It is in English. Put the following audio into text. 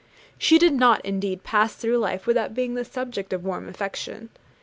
She did not indeed pass through life without being the object of warm affection.